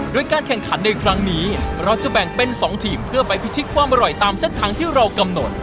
โดยการแข่งขันในครั้งนี้เราจะแบ่งเป็น๒ทีมเพื่อไปพิชิตความอร่อยตามเส้นทางที่เรากำหนด